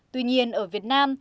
tuy nhiên ở việt nam